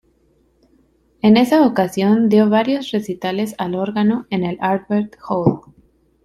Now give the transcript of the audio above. En esa ocasión dio varios recitales al órgano en el Albert Hall.